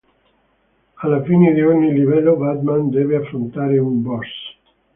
Alla fine di ogni livello Batman deve affrontare un boss.